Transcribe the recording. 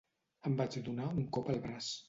Em vaig donar un cop al braç.